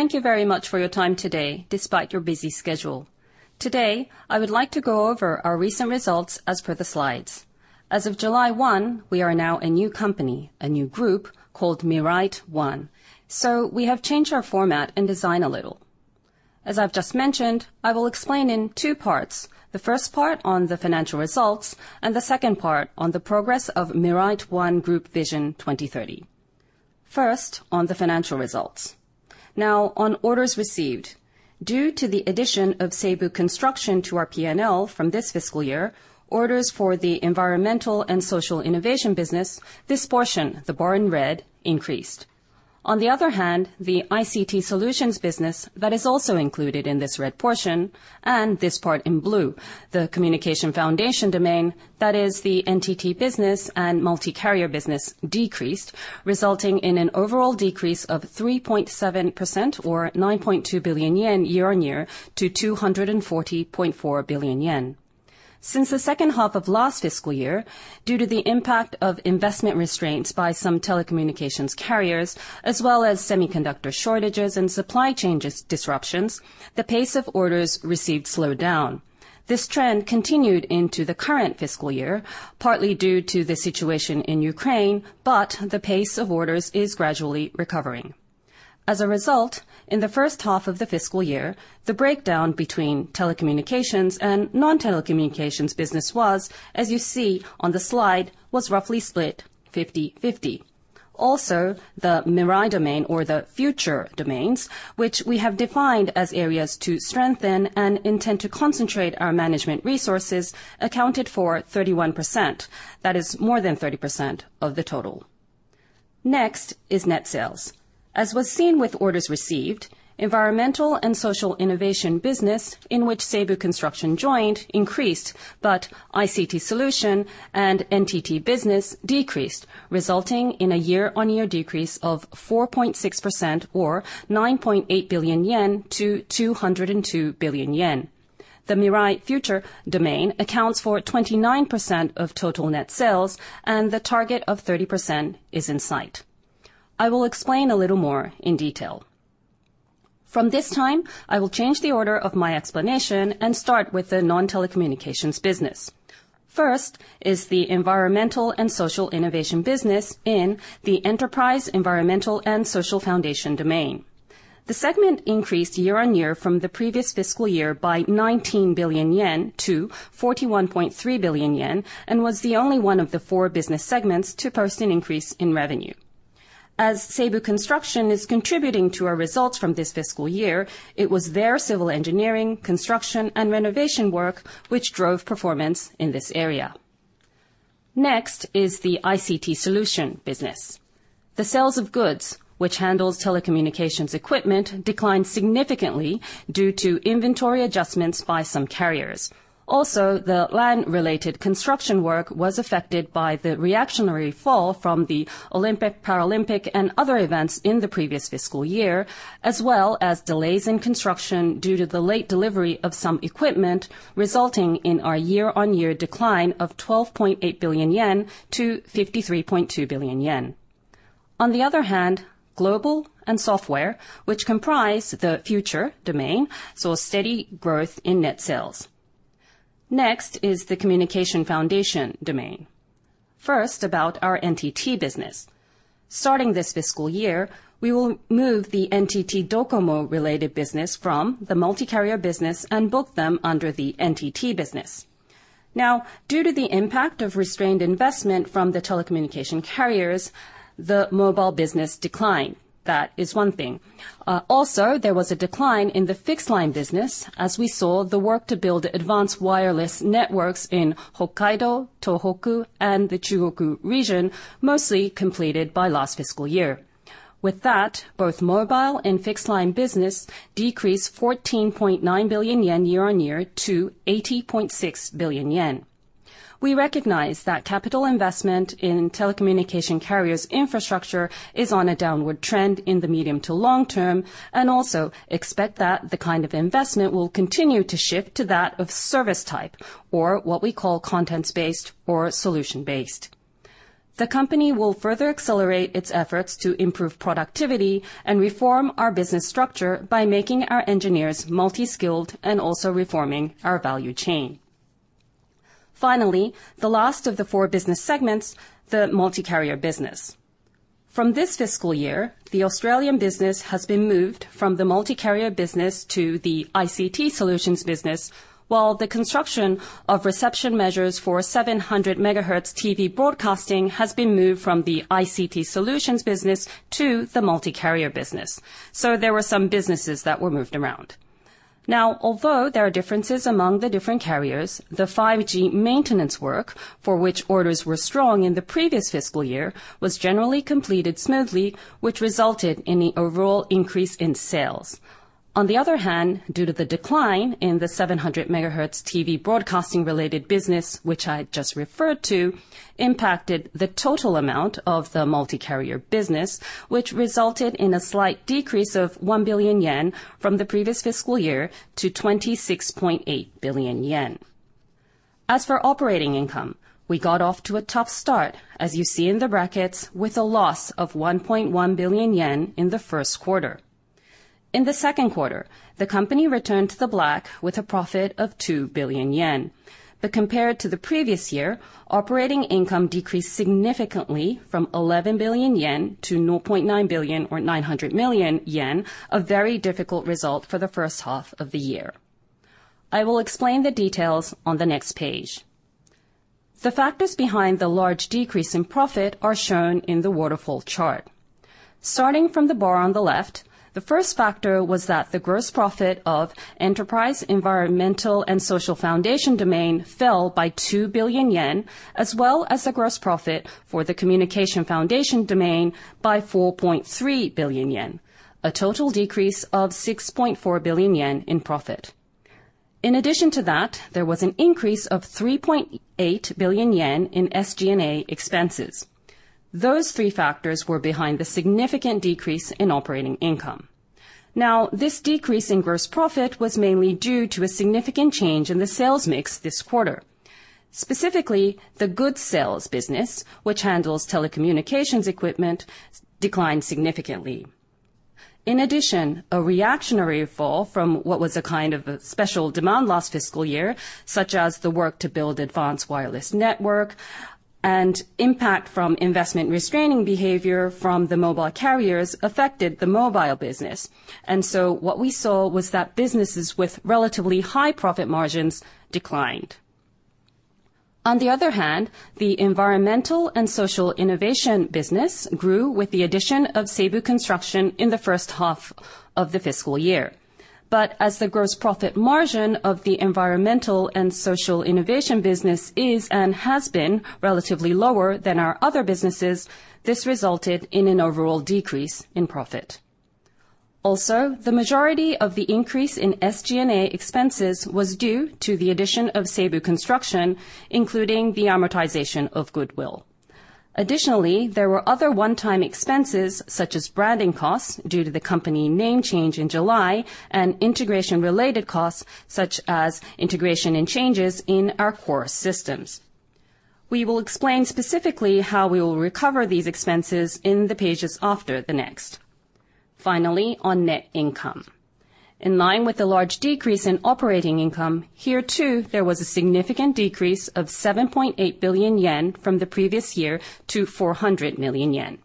Thank you very much for your time today, despite your busy schedule. Today, I would like to go over our recent results as per the slides. As of July 1, we are now a new company, a new group called MIRAIT ONE. We have changed our format and design a little. As I've just mentioned, I will explain in two parts. The first part on the financial results and the second part on the progress of MIRAIT ONE Group Vision 2030. First, on the financial results. Now on orders received. Due to the addition of Seibu Construction to our PNL from this fiscal year, orders for the environmental and social innovation business, this portion, the bar in red, increased. On the other hand, the ICT solutions business that is also included in this red portion and this part in blue, the communication foundation domain, that is the NTT business and multi-carrier business decreased, resulting in an overall decrease of 3.7% or 9.2 billion yen year-on-year to 240.4 billion yen. Since the second half of last fiscal year, due to the impact of investment restraints by some telecommunications carriers, as well as semiconductor shortages and supply changes disruptions, the pace of orders received slowed down. This trend continued into the current fiscal year, partly due to the situation in Ukraine, but the pace of orders is gradually recovering. As a result, in the first half of the fiscal year, the breakdown between telecommunications and non-telecommunications business was, as you see on the slide, was roughly split 50/50. The MIRAI domain or the future domains, which we have defined as areas to strengthen and intend to concentrate our management resources accounted for 31%. That is more than 30% of the total. Net sales. As was seen with orders received, environment and social innovation business in which Seibu Construction joined increased, but ICT solution and NTT business decreased, resulting in a year-on-year decrease of 4.6% or 9.8 billion yen to 202 billion yen. The MIRAI future domain accounts for 29% of total net sales, and the target of 30% is in sight. I will explain a little more in detail. From this time, I will change the order of my explanation and start with the non-telecommunications business. The environment and social innovation business in the enterprise, environmental, and social foundation domain. The segment increased year-on-year from the previous fiscal year by 19 billion yen to 41.3 billion yen, was the only one of the four business segments to post an increase in revenue. As Seibu Construction is contributing to our results from this fiscal year, it was their civil engineering, construction, and renovation work which drove performance in this area. Next is the ICT solutions business. The sales of goods which handles telecommunications equipment declined significantly due to inventory adjustments by some carriers. The LAN-related construction work was affected by the reactionary fall from the Olympic, Paralympic, and other events in the previous fiscal year, as well as delays in construction due to the late delivery of some equipment, resulting in a year-on-year decline of 12.8 billion yen to 53.2 billion yen. On the other hand, global and software, which comprise the future domain, saw steady growth in net sales. The communication foundation domain. About our NTT business. Starting this fiscal year, we will move the NTT DOCOMO related business from the multi-carrier business and book them under the NTT business. Due to the impact of restrained investment from the telecommunication carriers, the mobile business declined. That is one thing. Also, there was a decline in the fixed line business as we saw the work to build advanced wireless networks in Hokkaido, Tohoku, and the Chugoku region, mostly completed by last fiscal year. Both mobile and fixed line business decreased 14.9 billion yen year-on-year to 80.6 billion yen. We recognize that capital investment in telecommunication carriers infrastructure is on a downward trend in the medium to long term and also expect that the kind of investment will continue to shift to that of service type or what we call contents-based or solution-based. The company will further accelerate its efforts to improve productivity and reform our business structure by making our engineers multi-skilled and also reforming our value chain. The last of the four business segments, the multi-carrier business. From this fiscal year, the Australian business has been moved from the multi-carrier business to the ICT solutions business, while the construction of reception measures for 700 MHz TV broadcasting has been moved from the ICT solutions business to the multi-carrier business. There were some businesses that were moved around. Although there are differences among the different carriers, the 5G maintenance work, for which orders were strong in the previous fiscal year, was generally completed smoothly, which resulted in the overall increase in sales. On the other hand, due to the decline in the 700MHz TV broadcasting related business, which I just referred to, impacted the total amount of the multi-carrier business, which resulted in a slight decrease of 1 billion yen from the previous fiscal year to 26.8 billion yen. As for operating income, we got off to a tough start, as you see in the brackets, with a loss of 1.1 billion yen in the first quarter. In the second quarter, the company returned to the black with a profit of 2 billion yen. Compared to the previous year, operating income decreased significantly from 11 billion yen to 0.9 billion or 900 million yen, a very difficult result for the first half of the year. I will explain the details on the next page. The factors behind the large decrease in profit are shown in the waterfall chart. Starting from the bar on the left, the first factor was that the gross profit of enterprise, environmental, and social foundation domain fell by 2 billion yen, as well as the gross profit for the communication foundation domain by 4.3 billion yen. A total decrease of 6.4 billion yen in profit. In addition to that, there was an increase of 3.8 billion yen in SG&A expenses. Those three factors were behind the significant decrease in operating income. This decrease in gross profit was mainly due to a significant change in the sales mix this quarter. Specifically, the goods sales business, which handles telecommunications equipment, declined significantly. In addition, a reactionary fall from what was a kind of a special demand last fiscal year, such as the work to build advanced wireless network and impact from investment restraining behavior from the mobile carriers affected the mobile business. What we saw was that businesses with relatively high profit margins declined. On the other hand, the Environmental and Social Innovation Business grew with the addition of Seibu Construction in the first half of the fiscal year. As the gross profit margin of the Environmental and Social Innovation Business is and has been relatively lower than our other businesses, this resulted in an overall decrease in profit. The majority of the increase in SG&A expenses was due to the addition of Seibu Construction, including the amortization of goodwill. Additionally, there were other one-time expenses, such as branding costs due to the company name change in July and integration related costs, such as integration and changes in our core systems. We will explain specifically how we will recover these expenses in the pages after the next. Finally, on net income. In line with the large decrease in operating income, here, too, there was a significant decrease of 7.8 billion yen from the previous year to 400 million yen.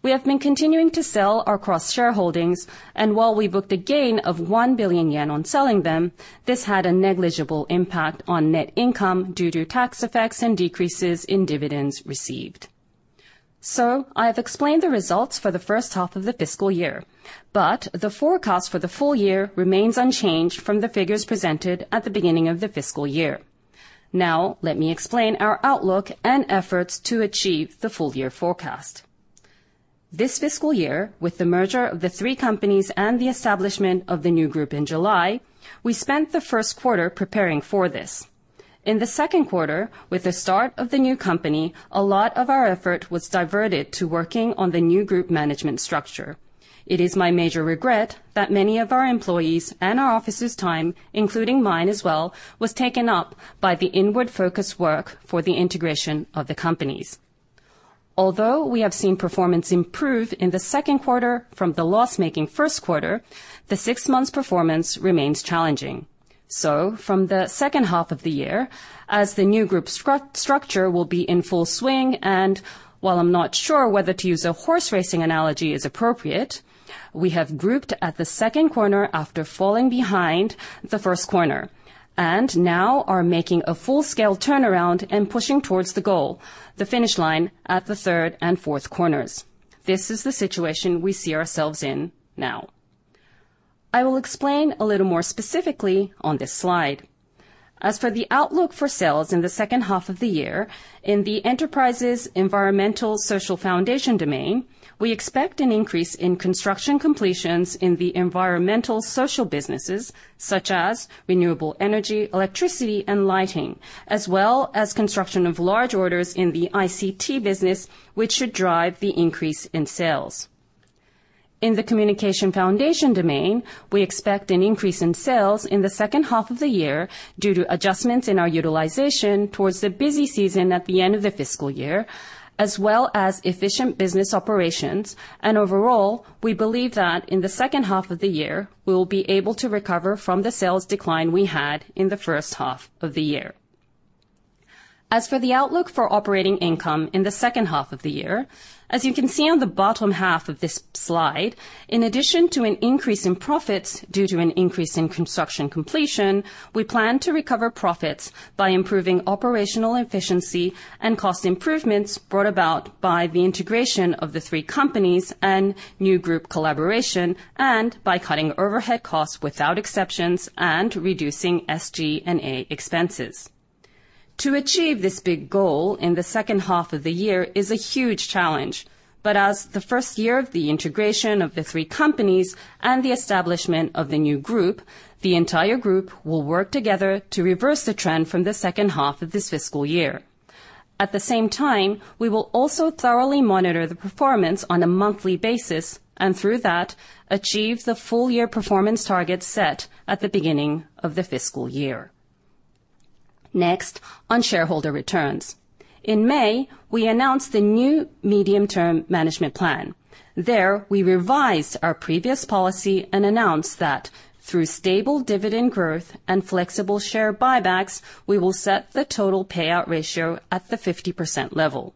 We have been continuing to sell our cross-shareholdings, and while we booked a gain of 1 billion yen on selling them, this had a negligible impact on net income due to tax effects and decreases in dividends received. I have explained the results for the first half of the fiscal year, but the forecast for the full year remains unchanged from the figures presented at the beginning of the fiscal year. Let me explain our outlook and efforts to achieve the full year forecast. This fiscal year, with the merger of the three companies and the establishment of the new group in July, we spent the first quarter preparing for this. In the second quarter, with the start of the new company, a lot of our effort was diverted to working on the new group management structure. It is my major regret that many of our employees' and our officers' time, including mine as well, was taken up by the inward-focused work for the integration of the companies. Although we have seen performance improve in the second quarter from the loss-making first quarter, the six months performance remains challenging. From the second half of the year, as the new group structure will be in full swing, and while I'm not sure whether to use a horse racing analogy is appropriate, we have grouped at the second corner after falling behind the first corner, and now are making a full-scale turnaround and pushing towards the goal, the finish line, at the third and fourth corners. This is the situation we see ourselves in now. I will explain a little more specifically on this slide. As for the outlook for sales in the second half of the year, in the enterprise, environmental, and social foundation domain, we expect an increase in construction completions in the environmental social businesses such as renewable energy, electricity, and lighting, as well as construction of large orders in the ICT business, which should drive the increase in sales. In the communication foundation domain, we expect an increase in sales in the second half of the year due to adjustments in our utilization towards the busy season at the end of the fiscal year, as well as efficient business operations. Overall, we believe that in the second half of the year, we will be able to recover from the sales decline we had in the first half of the year. As for the outlook for operating income in the second half of the year, as you can see on the bottom half of this slide, in addition to an increase in profits due to an increase in construction completion, we plan to recover profits by improving operational efficiency and cost improvements brought about by the integration of the three companies and new group collaboration and by cutting overhead costs without exceptions and reducing SG&A expenses. To achieve this big goal in the second half of the year is a huge challenge. As the first year of the integration of the 3 companies and the establishment of the new MIRAIT ONE Group, the entire group will work together to reverse the trend from the second half of this fiscal year. At the same time, we will also thoroughly monitor the performance on a monthly basis, and through that, achieve the full year performance targets set at the beginning of the fiscal year. On shareholder returns. In May, we announced the new medium-term management plan. There, we revised our previous policy and announced that through stable dividend growth and flexible share buybacks, we will set the total payout ratio at the 50% level.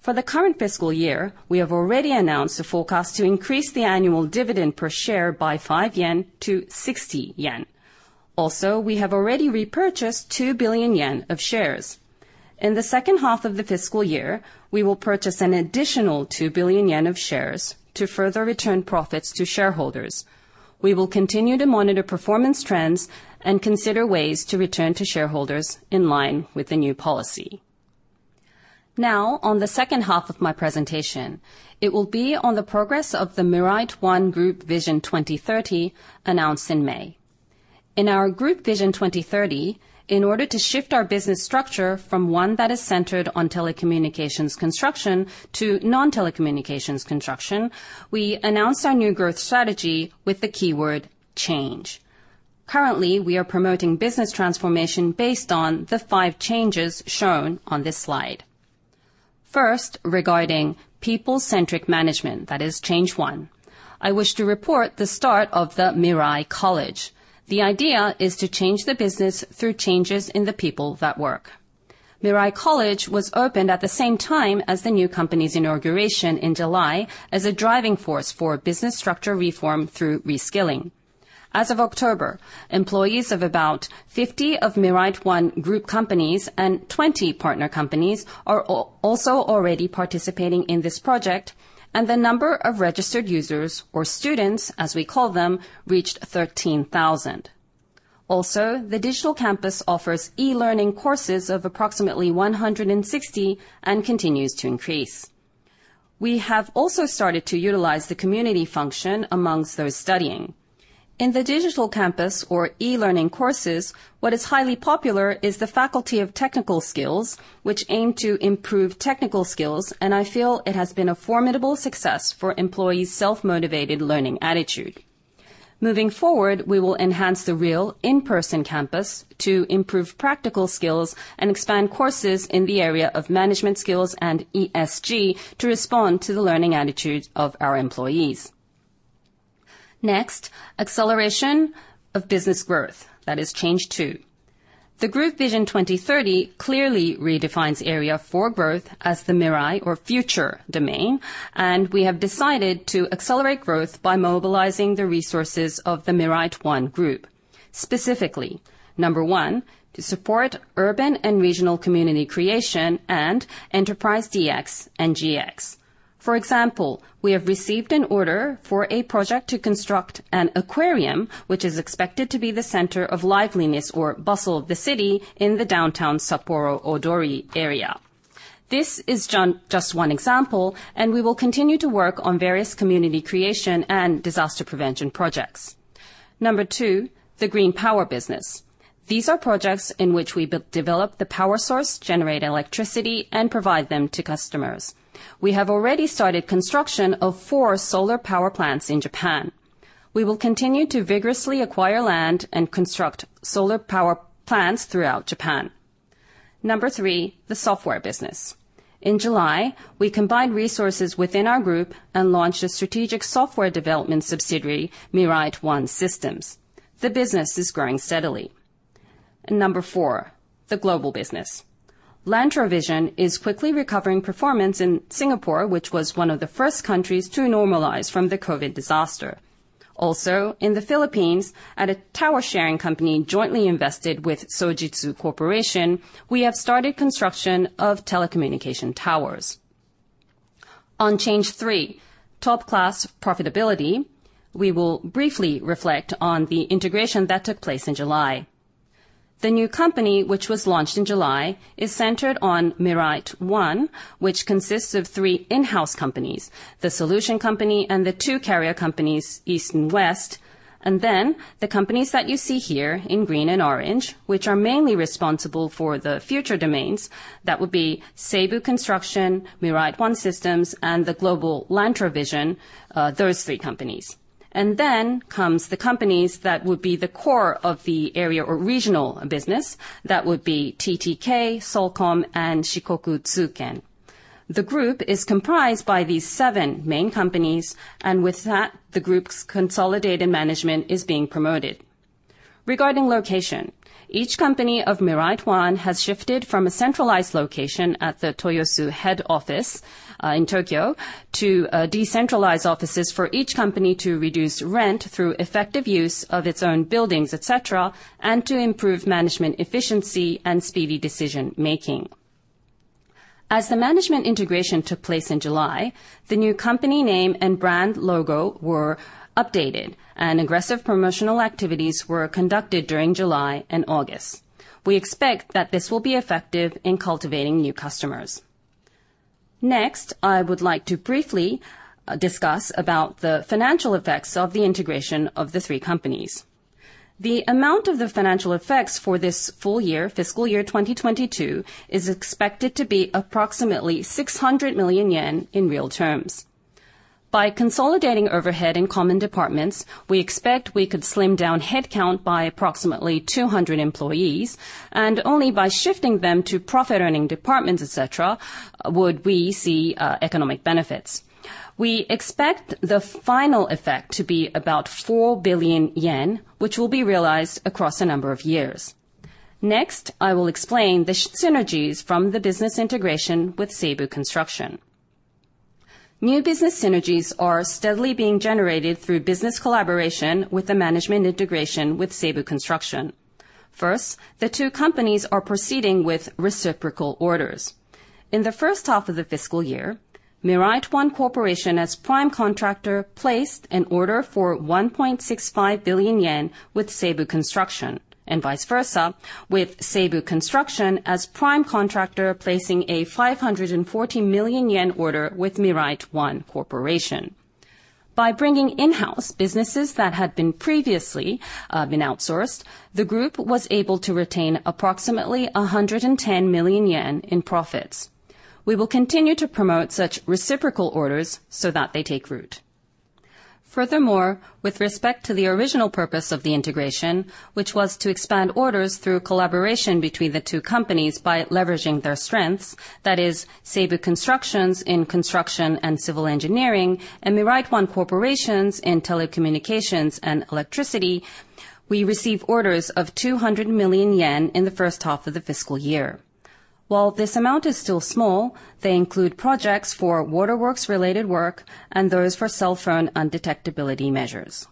For the current fiscal year, we have already announced a forecast to increase the annual dividend per share by 5 yen to 60 yen. Also, we have already repurchased 2 billion yen of shares. In the second half of the fiscal year, we will purchase an additional 2 billion yen of shares to further return profits to shareholders. We will continue to monitor performance trends and consider ways to return to shareholders in line with the new policy. On the second half of my presentation, it will be on the progress of the MIRAIT ONE Group Vision 2030 announced in May. In our Group Vision 2030, in order to shift our business structure from one that is centered on telecommunications construction to non-telecommunications construction, we announced our new growth strategy with the keyword change. Currently, we are promoting business transformation based on the five changes shown on this slide. First, regarding people-centric management, that is change one, I wish to report the start of the MIRAI College. The idea is to change the business through changes in the people that work. MIRAI College was opened at the same time as the new company's inauguration in July as a driving force for business structure reform through reskilling. As of October, employees of about 50 of MIRAIT ONE Group companies and 20 partner companies are also already participating in this project, and the number of registered users or students, as we call them, reached 13,000. Also, the digital campus offers e-learning courses of approximately 160 and continues to increase. We have also started to utilize the community function amongst those studying. In the digital campus or e-learning courses, what is highly popular is the faculty of technical skills, which aim to improve technical skills, and I feel it has been a formidable success for employees' self-motivated learning attitude. Moving forward, we will enhance the real in-person campus to improve practical skills and expand courses in the area of management skills and ESG to respond to the learning attitudes of our employees. Next, acceleration of business growth, that is change two. The Group Vision 2030 clearly redefines area for growth as the MIRAI or future domain, and we have decided to accelerate growth by mobilizing the resources of the MIRAIT ONE Group. Specifically, number one, to support urban and regional community creation and enterprise DX and GX. For example, we have received an order for a project to construct an aquarium, which is expected to be the center of liveliness or bustle of the city in the downtown Sapporo Odori area. This is just one example, and we will continue to work on various community creation and disaster prevention projects. Number two, the green power business. These are projects in which we develop the power source, generate electricity, and provide them to customers. We have already started construction of four solar power plants in Japan. We will continue to vigorously acquire land and construct solar power plants throughout Japan. Number three, the software business. In July, we combined resources within our group and launched a strategic software development subsidiary, MIRAIT ONE SYSTEMS. The business is growing steadily. Number four, the global business. LanTroVision is quickly recovering performance in Singapore, which was one of the first countries to normalize from the COVID disaster. Also, in the Philippines, at a tower sharing company jointly invested with Sojitz Corporation, we have started construction of telecommunication towers. On change three, top class profitability, we will briefly reflect on the integration that took place in July. The new company, which was launched in July, is centered on MIRAIT ONE, which consists of 3 in-house companies, the solution company and the 2 carrier companies, East and West, and then the companies that you see here in green and orange, which are mainly responsible for the MIRAI Domains. That would be Seibu Construction, MIRAIT ONE Systems, and the global LanTroVision, those 3 companies. The companies that would be the core of the area or regional business. That would be TTK, SOLCOM, and Shikokutsuken. The group is comprised by these 7 main companies. With that, the group's consolidated management is being promoted. Regarding location, each company of MIRAIT ONE has shifted from a centralized location at the Toyosu head office in Tokyo to decentralized offices for each company to reduce rent through effective use of its own buildings, et cetera, and to improve management efficiency and speedy decision-making. As the management integration took place in July, the new company name and brand logo were updated, and aggressive promotional activities were conducted during July and August. We expect that this will be effective in cultivating new customers. Next, I would like to briefly discuss about the financial effects of the integration of the three companies. The amount of the financial effects for this full year, fiscal year 2022, is expected to be approximately 600 million yen in real terms. By consolidating overhead and common departments, we expect we could slim down headcount by approximately 200 employees. Only by shifting them to profit-earning departments, et cetera, would we see economic benefits. We expect the final effect to be about 4 billion yen, which will be realized across a number of years. I will explain the synergies from the business integration with Seibu Construction. New business synergies are steadily being generated through business collaboration with the management integration with Seibu Construction. The two companies are proceeding with reciprocal orders. In the first half of the fiscal year, MIRAIT ONE Corporation as prime contractor placed an order for 1.65 billion yen with Seibu Construction, and vice versa with Seibu Construction as prime contractor placing a 540 million yen order with MIRAIT ONE Corporation. By bringing in-house businesses that had been previously been outsourced, the group was able to retain approximately 110 million yen in profits. We will continue to promote such reciprocal orders so that they take root. With respect to the original purpose of the integration, which was to expand orders through collaboration between the two companies by leveraging their strengths, that is Seibu Construction's in construction and civil engineering and MIRAIT ONE Corporation's in telecommunications and electricity, we received orders of 200 million yen in the first half of the fiscal year. While this amount is still small, they include projects for waterworks-related work and those for cell phone undetectability measures.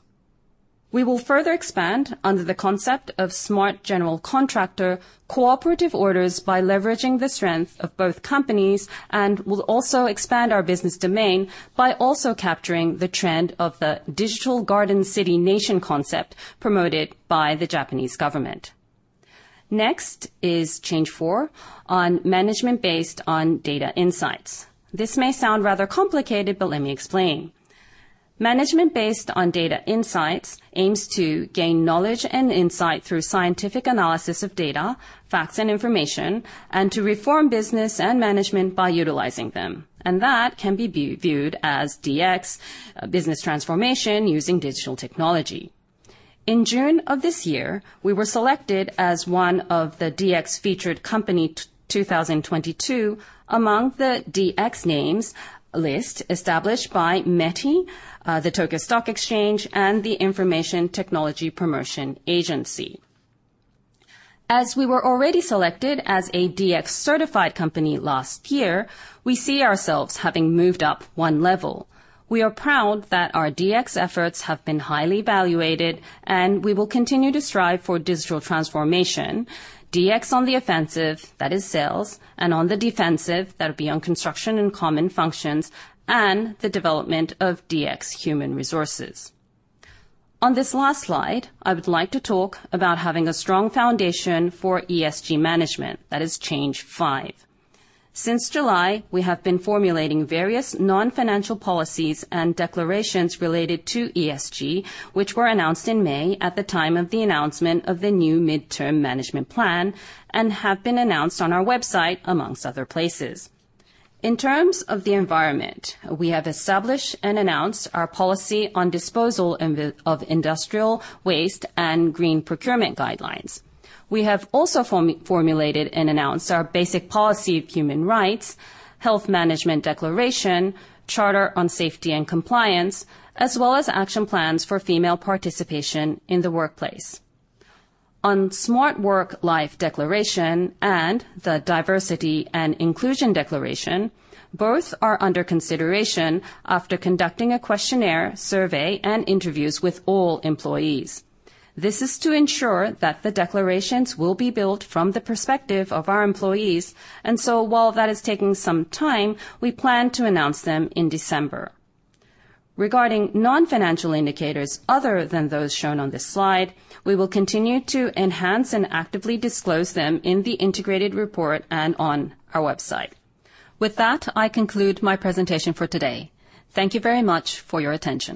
We will further expand under the concept of smart general contractor cooperative orders by leveraging the strength of both companies and will also expand our business domain by also capturing the trend of the Digital Garden City Nation Concept promoted by the Japanese government. Next is change 4 on management based on data insights. This may sound rather complicated, but let me explain. Management based on data insights aims to gain knowledge and insight through scientific analysis of data, facts, and information, and to reform business and management by utilizing them. That can be viewed as DX business transformation using digital technology. In June of this year, we were selected as one of the DX Noteworthy Company 2022 among the DX names list established by METI, the Tokyo Stock Exchange and the Information-technology Promotion Agency, Japan. As we were already selected as a DX-certified company last year, we see ourselves having moved up one level. We are proud that our DX efforts have been highly valuated, and we will continue to strive for digital transformation. DX on the offensive, that is sales, and on the defensive, that'll be on construction and common functions, and the development of DX human resources. On this last slide, I would like to talk about having a strong foundation for ESG management. That is change five. Since July, we have been formulating various non-financial policies and declarations related to ESG, which were announced in May at the time of the announcement of the new midterm management plan and have been announced on our website, amongst other places. In terms of the environment, we have established and announced our policy on disposal of industrial waste and green procurement guidelines. We have also formulated and announced our basic policy of human rights, health management declaration, charter on safety and compliance, as well as action plans for female participation in the workplace. Smart Work/Life Declaration and the Diversity and Inclusion Declaration, both are under consideration after conducting a questionnaire, survey, and interviews with all employees. This is to ensure that the declarations will be built from the perspective of our employees. While that is taking some time, we plan to announce them in December. Regarding non-financial indicators other than those shown on this slide, we will continue to enhance and actively disclose them in the integrated report and on our website. With that, I conclude my presentation for today. Thank you very much for your attention.